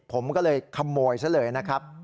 ผมก็เลยขโมยซะเลยนะครับ